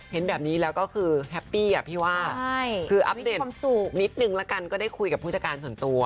เห็นแบบนี้แล้วก็คือพี่ว่าคือนิดหนึ่งแล้วกันก็ได้คุยกับผู้จักรส่วนตัว